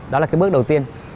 đó là cái bước đầu tiên